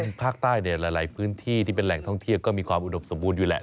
ภาคใต้เนี่ยหลายพื้นที่ที่เป็นแหล่งท่องเที่ยวก็มีความอุดมสมบูรณ์อยู่แหละ